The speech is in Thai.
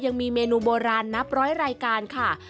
ยังมีเมนูโบราณนับร้อยรายการค่ะ